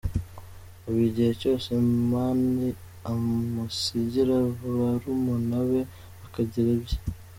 Ubu igihe cyose Amani amusigira barumuna be akigira mu bye.